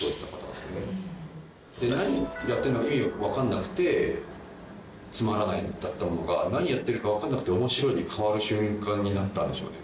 何やってるのか意味わからなくて「つまらない」だったものが何やってるかわからなくて「面白い」に変わる瞬間になったんでしょうね。